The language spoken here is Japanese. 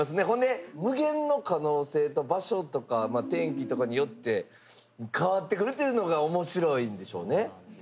ほんで無限の可能性と場所とかまあ天気とかによって変わってくるっていうのが面白いんでしょうね。